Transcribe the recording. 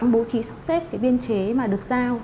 bố trí sắp xếp biên chế mà được giao